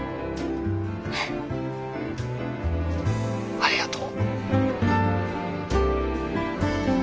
ありがとう。